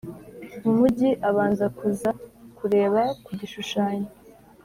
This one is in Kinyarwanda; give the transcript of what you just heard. Mu mujyi abanza kuza kureba ku gishushanyo